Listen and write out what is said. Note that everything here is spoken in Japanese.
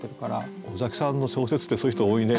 尾崎さんの小説ってそういう人多いね。